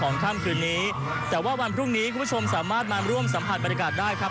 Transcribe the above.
ค่ำคืนนี้แต่ว่าวันพรุ่งนี้คุณผู้ชมสามารถมาร่วมสัมผัสบรรยากาศได้ครับ